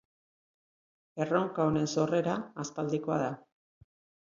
Erronka honen sorrera aspaldikoa da.